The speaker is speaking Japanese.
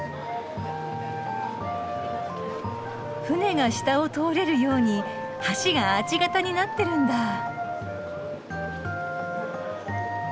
船が下を通れるように橋がアーチ型になってるんだ。